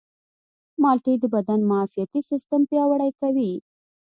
مالټې د بدن معافیتي سیستم پیاوړی کوي.